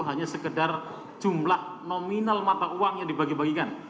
hanya sekedar jumlah nominal mata uang yang dibagi bagikan